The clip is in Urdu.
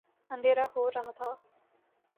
اندھیرا ہو رہا تھا۔